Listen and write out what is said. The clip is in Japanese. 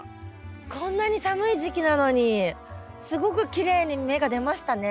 こんなに寒い時期なのにすごくきれいに芽が出ましたね。